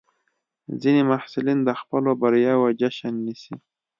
ځینې محصلین د خپلو بریاوو جشن نیسي.